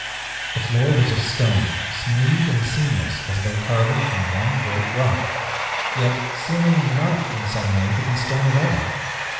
The floor was of stone, smooth and seamless as though carven from one great rock, yet seeming not, in some way, to be stone at all.